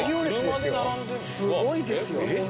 すごいですよ。